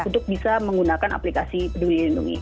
untuk bisa menggunakan aplikasi peduli lindungi